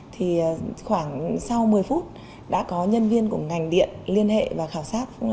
thì khoảng sau một mươi phút đã có nhân viên của ngành điện liên hệ và khảo sát